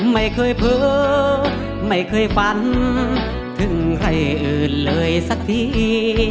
ไม่เคยเผลอไม่เคยฝันถึงใครอื่นเลยสักที